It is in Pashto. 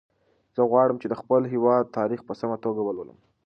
زه غواړم چې د خپل هېواد تاریخ په سمه توګه ولولم.